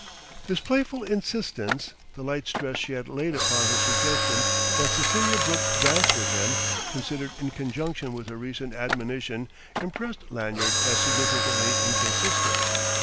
This playful insistence, the light stress she laid upon her suggestion that Cecelia Brooke dance with him, considered in conjunction with her recent admonition, impressed Lanyard as significantly inconsistent.